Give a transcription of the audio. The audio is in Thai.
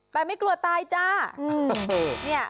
แต่ไม่กลัวตายจ้า